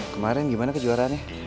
kemarin gimana kejuaraannya